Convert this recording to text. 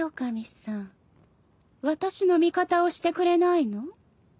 私の味方をしてくれないの？